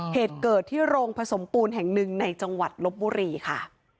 เหตุเกิดที่โรงผสมปูนแห่งหนึ่งในจังหวัดลบบุรีค่ะ